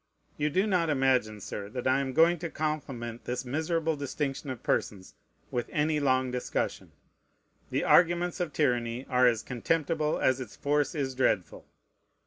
You do not imagine, Sir, that I am going to compliment this miserable distinction of persons with any long discussion. The arguments of tyranny are as contemptible as its force is dreadful.